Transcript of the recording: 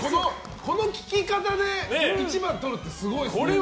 この聞き方で１番とるってすごい。